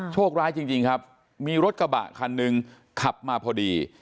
โชคร้ายจริงครับมีรถกระบะคันหนึ่งขับมาพอดี